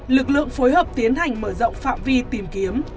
lực lượng phối hợp tiến hành mở rộng phạm vi tìm kiếm